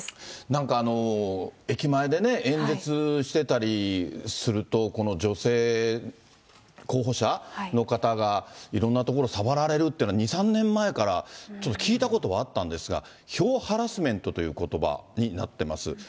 なんか、駅前でね、演説してたりすると、この女性候補者の方が、いろんな所、触られるっていうのは、２、３年前からちょっと聞いたことはあったんですが、票ハラスメントということばになってます。